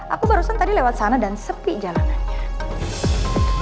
aku barusan tadi lewat sana dan sepi jalanannya